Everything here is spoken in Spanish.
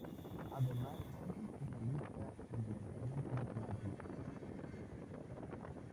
Además, es especialista en el lanzamiento de penaltis.